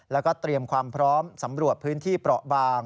แล้วก็เตรียมความพร้อมสำรวจพื้นที่เปราะบาง